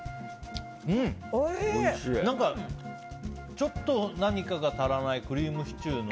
ちょっと何かが足らないクリームシチューの。